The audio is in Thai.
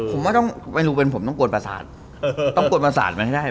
ผมว่าต้องไม่รู้เป็นผมต้องกวนประสาทต้องกวนประสาทมันให้ได้